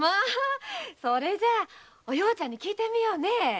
それじゃお葉ちゃんに聞いてみようね。